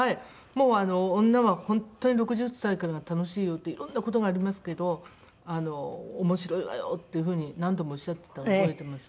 もう女は本当に６０歳からが楽しいよっていろんな事がありますけど面白いわよっていう風に何度もおっしゃってたのを覚えてます。